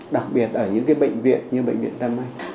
đặc biệt ở những bệnh viện như bệnh viện đa khoa tâm anh